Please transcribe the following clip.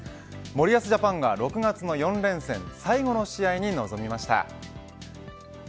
森保ジャパンが、６月の４連戦最後の試合に臨みました。